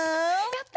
やった！